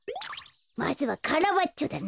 まずはカラバッチョだな。